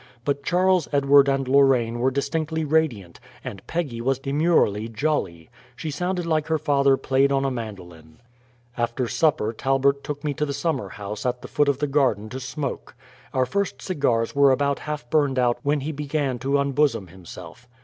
But Charles Edward and Lorraine were distinctly radiant, and Peggy was demurely jolly. She sounded like her father played on a mandolin. After supper Talbert took me to the summer house at the foot of the garden to smoke. Our first cigars were about half burned out when he began to unbosom himself.